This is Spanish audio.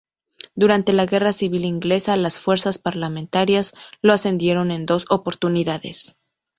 Durante la Guerra Civil Inglesa, las fuerzas parlamentarias lo asediaron en dos oportunidades.